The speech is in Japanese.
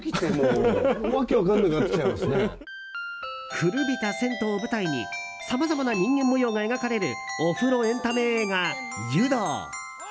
古びた銭湯を舞台にさまざまな人間模様が描かれるお風呂エンタメ映画「湯道」。